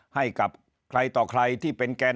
ให้กับใครต่อใครที่เป็นแกน